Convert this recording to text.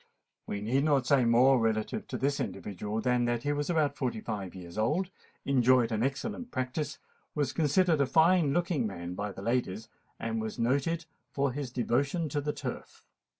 We need not say more relative to this individual than that he was about five and forty years old, enjoyed an excellent practice, was considered a fine looking man by the ladies, and was noted for his devotion to the Turf.